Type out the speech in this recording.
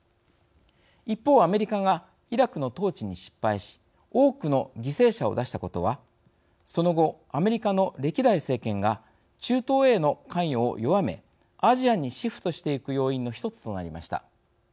一方、アメリカがイラクの統治に失敗し多くの犠牲者を出したことはその後、アメリカの歴代政権が中東への関与を弱めアジアにシフトしていく要因の１つとなりました。